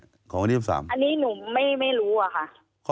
อันนี้หนูไม่รู้อะค่ะ